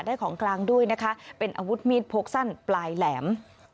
ของกลางด้วยนะคะเป็นอาวุธมีดพกสั้นปลายแหลม